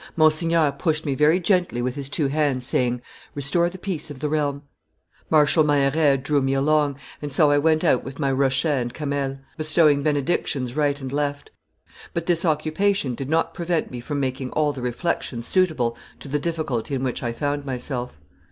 Monsignor pushed me very gently with his two hands, saying, 'Restore the peace of the realm.' Marshal Meilleraye drew me along, and so I went out with my rochet and camail, bestowing benedictions right and left; but this occupation did not prevent me from making all the reflections suitable to the difficulty in which I found myself.